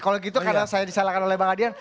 kalau gitu karena saya disalahkan oleh bang adian